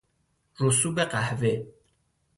رسوب قهوه